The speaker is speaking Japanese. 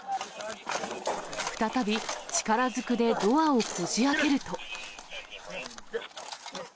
再び力ずくでドアをこじあけると。